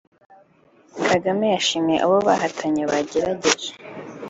Kagame yashimiye abo bahatanaga ‘bagerageje’